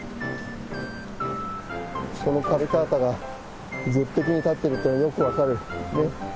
このカルカータが絶壁に立ってるっていうのがよく分かる。